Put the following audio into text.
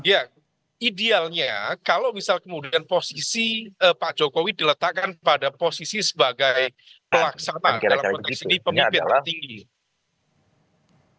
iya idealnya kalau misalnya kemudian posisi pak jokowi diletakkan pada posisi sebagai pelaksanaan dalam kondisi pemimpin tinggi